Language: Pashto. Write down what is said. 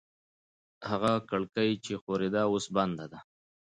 هغه کړکۍ چې ښورېده اوس بنده ده.